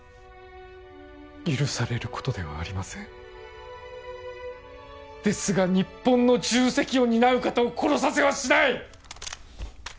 許されることではありませんですが日本の重責を担う方を殺させはしない！